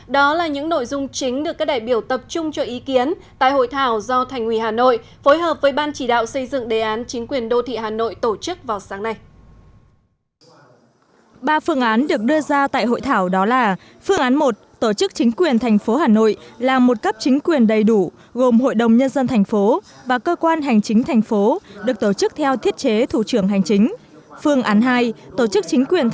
đó là những nội dung chính được các đại biểu tập trung cho ý kiến tại hội thảo do thành quỳ hà nội phối hợp với ban chỉ đạo xây dựng đề án chính quyền đô thị hà nội tổ chức vào sáng nay